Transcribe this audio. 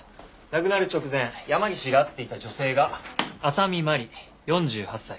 亡くなる直前山岸が会っていた女性が浅見麻里４８歳。